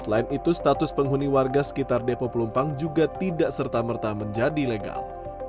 selain itu status penghuni warga sekitar depo pelumpang juga tidak serta merta menjadi legal